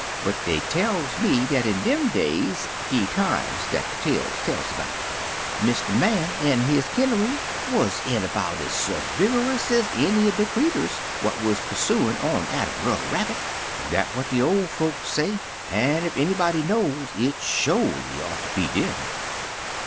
But dey tells me dat in dem days — de times dat de tales tells 'bout — Mr. Man an' his kin nery wuz e'en about ez servigrous ez any er de creeturs what wuz persuin' on atter Brer Rabbit. Dat what de ol' folks say, an' ef anybody knows it sho'ly ought ter be dem.